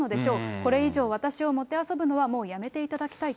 これ以上私をもてあそぶのはもうやめていただきたいと。